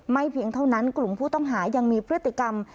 เพียงเท่านั้นกลุ่มผู้ต้องหายังมีพฤติกรรม